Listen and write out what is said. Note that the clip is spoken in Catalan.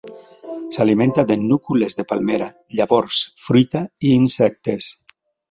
S'alimenta de núcules de palmera, llavors, fruita i insectes.